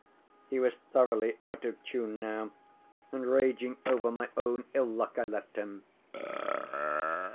ŌĆØ He was thoroughly out of tune now, and raging over my own ill luck, I left him.